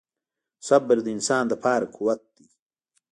• صبر د انسان لپاره قوت دی.